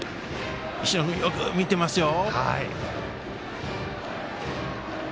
石野君、よく見ていますよ。